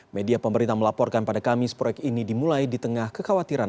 media pemerintah melaporkan pada kamis proyek ini dimulai di tengah kekhawatiran